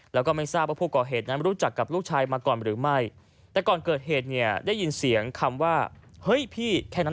แล้วก็ไม่ทราบว่าผู้ก่อเหตุนั้นรู้จักกับลูกชายมาก่อนหรือไม่แต่ก่อนเกิดเหตุเนี่ยได้ยินเสียงคำว่าเฮ้ยพี่แค่นั้น